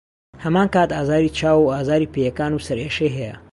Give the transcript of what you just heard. هەمانکات ئازاری چاو و ئازاری پێیەکان و سەرئێشەی هەیە.